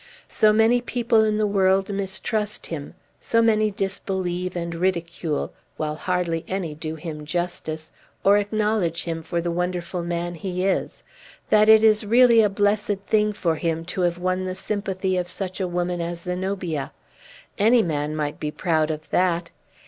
So many people in the world mistrust him, so many disbelieve and ridicule, while hardly any do him justice, or acknowledge him for the wonderful man he is, that it is really a blessed thing for him to have won the sympathy of such a woman as Zenobia. Any man might be proud of that.